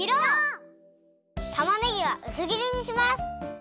たまねぎはうすぎりにします！